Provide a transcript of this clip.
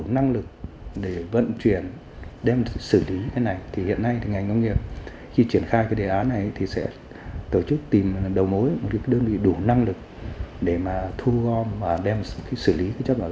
năng lực để thu gom và đem xử lý chất bảo vệ thu gom này